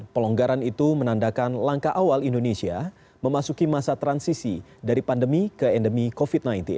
pelonggaran itu menandakan langkah awal indonesia memasuki masa transisi dari pandemi ke endemi covid sembilan belas